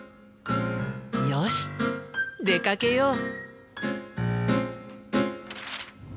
よし出かけよう。